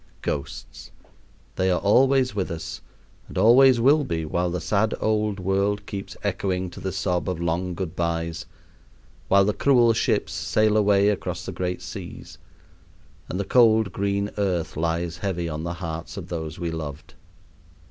Ghosts! they are always with us and always will be while the sad old world keeps echoing to the sob of long good bys, while the cruel ships sail away across the great seas, and the cold green earth lies heavy on the hearts of those we loved.